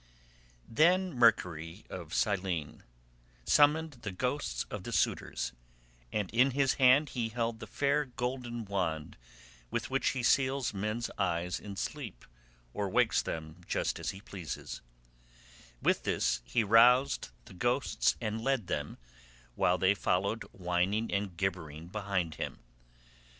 Then Mercury of Cyllene summoned the ghosts of the suitors, and in his hand he held the fair golden wand with which he seals men's eyes in sleep or wakes them just as he pleases; with this he roused the ghosts and led them, while they followed whining and gibbering behind him.